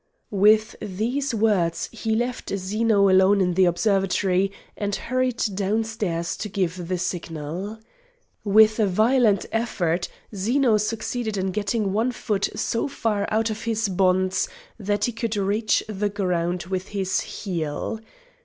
With these words he left Zeno alone in the observatory and hurried downstairs to give the signal. With a violent effort, Zeno succeeded in getting one foot so far out of his bonds that he could reach the ground with his heel.